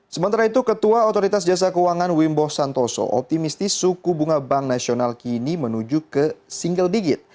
sementara itu ketua otoritas jasa keuangan wimbo santoso optimistis suku bunga bank nasional kini menuju ke single digit